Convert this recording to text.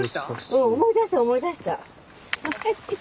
うん思い出した思い出した。